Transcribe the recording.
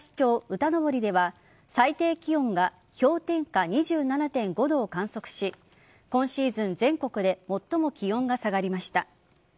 歌登では最低気温が氷点下２７．５度を観測し今シーズン全国で最も気温が下がりました。